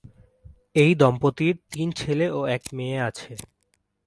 এই দম্পতির তিন ছেলে ও এক মেয়ে আছে।